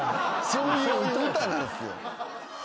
そういう歌なんすよ。